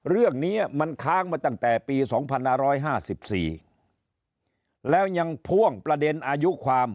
เรื่องนี้มันค้างมาตั้งแต่ปี๒๕๕๔แล้วยังพ่วงประเด็นอายุความ